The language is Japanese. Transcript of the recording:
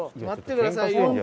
待ってくださいよ！